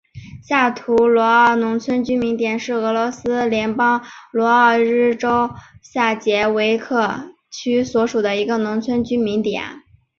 下图罗沃农村居民点是俄罗斯联邦沃罗涅日州下杰维茨克区所属的一个农村居民点。